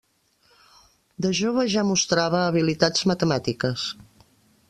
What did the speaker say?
De jove ja mostrava habilitats matemàtiques.